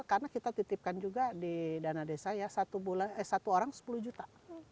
karena kita titipkan juga di dana desa ya satu orang sepuluh juta